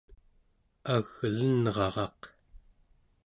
aglenraraq